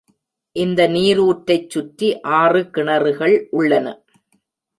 இந்த நீரூற்றைச் சுற்றி ஆறு கிணறுகள் உள்ளன.